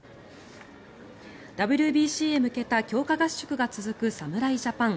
ＷＢＣへ向けた強化合宿が続く侍ジャパン。